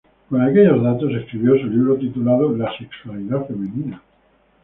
Con aquellos datos, escribió un libro titulado “La sexualidad femenina.